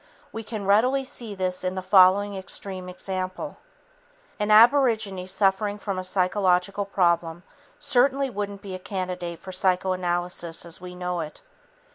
We can readily see this in the following extreme example: An aborigine suffering from a psychological problem certainly wouldn't be a candidate for psychoanalysis as we know it.